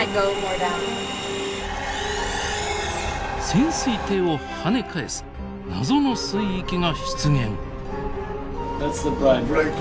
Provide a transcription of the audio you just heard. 潜水艇をはね返す謎の水域が出現！